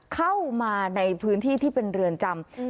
เข้ามาในพื้นที่ที่เป็นเรือนจำ